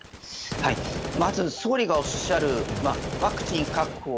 まず、総理がおっしゃるワクチン確保。